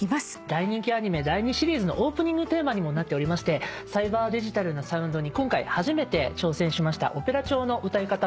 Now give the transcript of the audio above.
大人気アニメ第二シリーズのオープニングテーマにもなっておりましてサイバーデジタルなサウンドに今回初めて挑戦しましたオペラ調の歌い方をミックスしたとてもカッコイイ楽曲になっています。